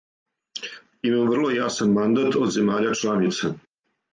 Имамо врло јасан мандат од земаља чланица.